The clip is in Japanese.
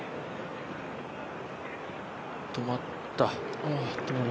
止まった。